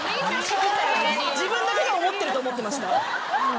自分だけが思ってると思ってました。